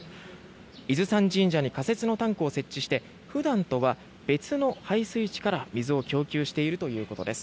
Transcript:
伊豆山神社に仮設のタンクを設置して普段とは別の配水池から水を供給しているということです。